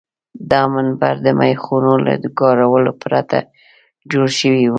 دا منبر د میخونو له کارولو پرته جوړ شوی و.